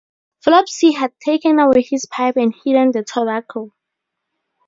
Flopsy had taken away his pipe and hidden the tobacco.